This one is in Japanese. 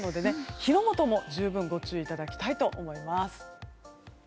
火の元も十分ご注意いただきたいと思います。